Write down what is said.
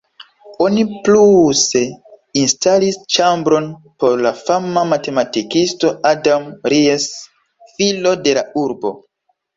Oni pluse instalis ĉambron por la fama matematikisto Adam Ries, filo de la urbo.